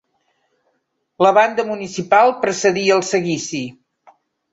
La banda municipal precedia el seguici.